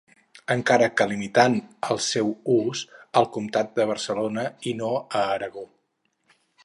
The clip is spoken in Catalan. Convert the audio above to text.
Encara que limitant el seu ús al Comtat de Barcelona i no a Aragó.